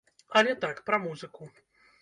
Але так, пра музыку.